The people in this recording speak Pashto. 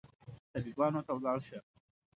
طبيبانو ته ولاړ شم